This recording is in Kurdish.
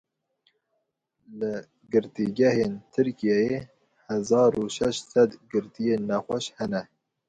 Li girtîgehên Tirkiyeyê hezar û şeş sed girtiyên nexweş hene.